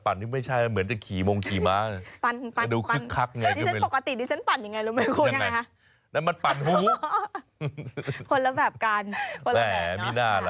คุณดูคุณเริ่มจะคึกคักก่อนนะครับ